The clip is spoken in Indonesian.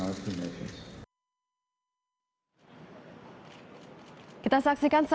untuk menjaga keamanan indonesia